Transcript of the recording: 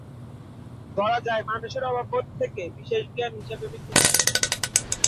বলা যায়, মানুষের অভাববোধ থেকে বিশেষ জ্ঞান হিসেবে বিজ্ঞানের উৎপত্তি।